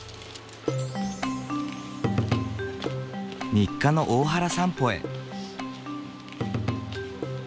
日課の大原散歩へ。